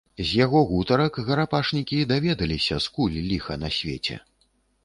З яго гутарак гарапашнікі даведаліся, скуль ліха на свеце.